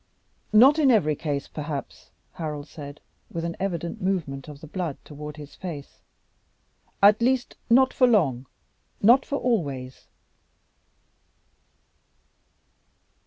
"Not in every case, perhaps," Harold said, with an evident movement of the blood toward his face; "at least not for long, not for always."